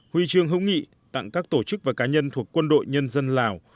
huy chương hữu nghị tặng các tổ chức và cá nhân thuộc quân đội nhân dân lào